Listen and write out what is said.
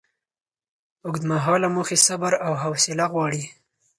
اوږدمهاله موخې صبر او حوصله غواړي.